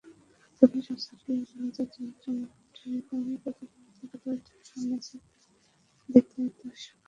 তবে এসব ছাপিয়ে বলা যায়, জমজমাট এবং প্রতিদ্বন্দ্বিতায় ঠাসা ম্যাচই দেখলেন দর্শকেরা।